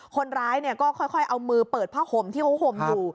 คนร้ายก็ค่อยเอามือเปิดผ้าห่มที่เขาห่มอยู่